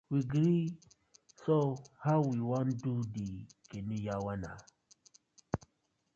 We gree, so how we wan do de canoe yawa naw?